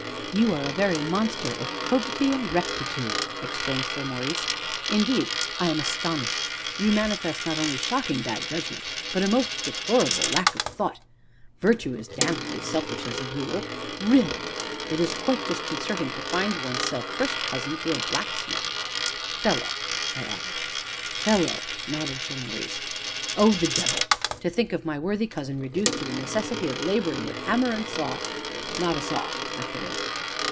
you are a very monster of probity and rectitude!" exclaimed Sir Maurice; "indeed I am astonished! you manifested not only shocking bad judgment, but a most deplorable lack of thought (Virtue is damnably selfish as a rule) really, it is quite disconcerting to find one's self first cousin to a blacksmith "" fellow!" I added. "Fellow!" nodded Sir Maurice. "Oh, the devil! to think of my worthy cousin reduced to the necessity of laboring with hammer and saw " "Not a saw," I put in.